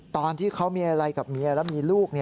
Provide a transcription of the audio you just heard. ตอนที่เขามีอะไรกับเมียแล้วมีลูก